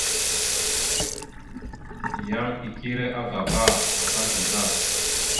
Yan ikire agaba, aka zam daf.